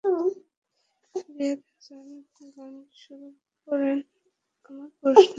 Rhythm Hasan গান শুরু করেন আমায় প্রশ্ন করে নীল ধ্রুব তারা দিয়ে।